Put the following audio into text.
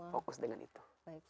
fokus dengan itu